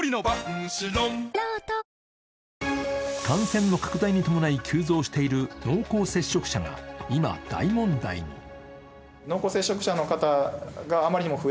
感染の拡大に伴い急増している濃厚接触者が今、大問題に。